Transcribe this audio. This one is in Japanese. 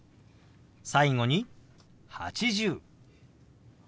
最後に「８０」。